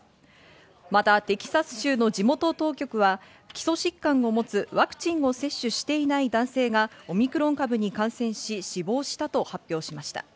また、テキサス州の地元当局は基礎疾患を持つワクチンを接種していない男性がオミクロン株に感染し死亡したと発表しました。